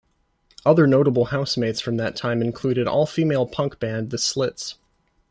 Other notable housemates from that time included all female punk band The Slits.